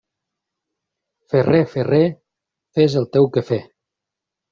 Ferrer, ferrer, fes el teu quefer.